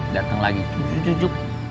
datang lagi cujuk cujuk